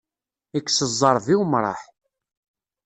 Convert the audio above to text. Ikkes ẓẓerb, i umṛaḥ.